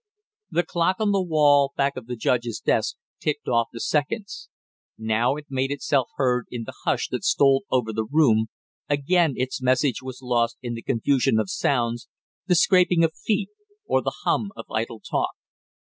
The clock on the wall back of the judges desk ticked off the seconds; now it made itself heard in the hush that stole over the room, again its message was lost in the confusion of sounds, the scraping of feet or the hum of idle talk.